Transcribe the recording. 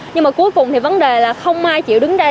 nhưng mà cuối cùng thì vấn đề là không ai chịu đứng đây